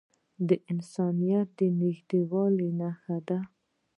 دا د انسانیت د نږدېوالي نښه ده.